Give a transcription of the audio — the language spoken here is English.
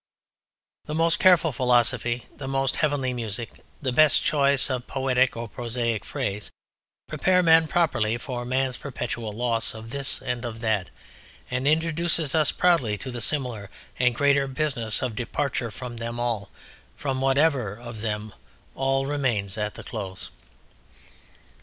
The most careful philosophy, the most heavenly music, the best choice of poetic or prosaic phrase prepare men properly for man's perpetual loss of this and of that, and introduce us proudly to the similar and greater business of departure from them all, from whatever of them all remains at the close.